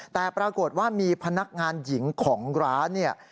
แต่ปรากฏว่ามีพนักงานหญิงของร้านเนี่ย